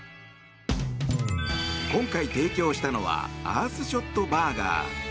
今回提供したのはアースショットバーガー。